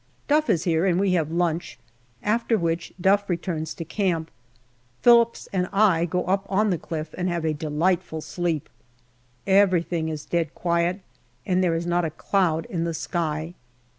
Duff is here, and we have lunch, after which Duff returns to camp. Phillips and I go up on the cliff and have a delightful sleep. Everything is dead quiet, and there is not a cloud in the sky.